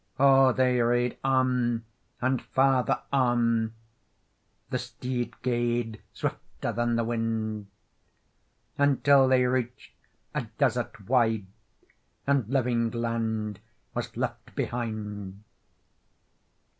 O they rade on, and farther on— The steed gaed swifter than the wind— Until they reached a desart wide, And living land was left behind.